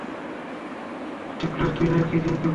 Stifler, তুই নাকি জিমকে বলেছিস।